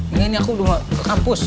ini aku udah kapus